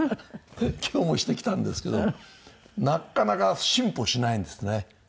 今日もしてきたんですけどなかなか進歩しないんですね。